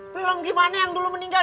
belum gimana yang dulu meninggal